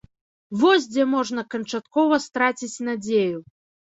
Вось дзе можна канчаткова страціць надзею!